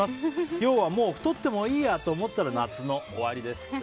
要はもう太ってもいいやと思ったら夏の終わりです。